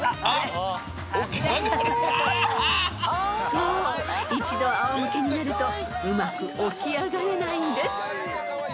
［そう一度あお向けになるとうまく起き上がれないんです］